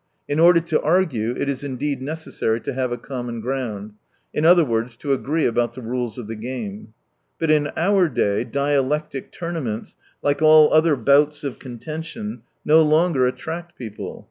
In order to argue, it is indeed necessary to have a common ground; in other words, to agree about the rules of the game. But in our day dialectic tournaments, like all other bouts of contention, no longer attract people.